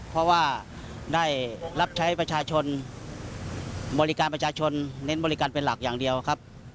เพราะว่าได้รับใช้ประชาชนบริการประชาชนเน้นบริการเป็นหลักอย่างเดียวครับ